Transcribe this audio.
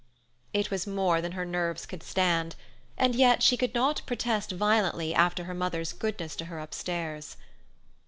It was more than her nerves could stand. And she could not protest violently after her mother's goodness to her upstairs.